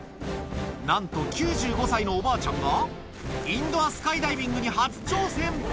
なんと９５歳のおばあちゃんが、インドアスカイダイビングに初挑戦。